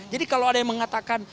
jadi kalau ada yang mengatakan